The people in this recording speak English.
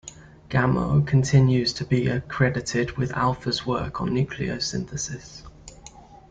Gamow continues to be credited with Alpher's work on nucleosynthesis.